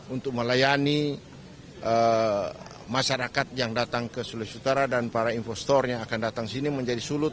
untuk melayani masyarakat yang datang ke sulawesi utara dan para investor yang akan datang sini menjadi sulut